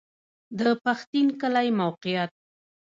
د پښتین کلی موقعیت